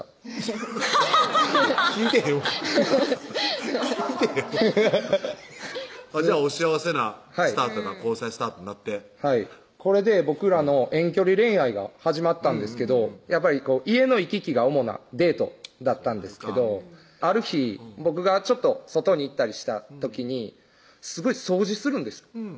アハハハッ聞いてへんわ聞いてへんわじゃあお幸せな交際スタートになってこれで僕らの遠距離恋愛が始まったんですけどやっぱり家の行き来が主なデートだったんですけどある日僕が外に行ったりした時にすごい掃除するんですよ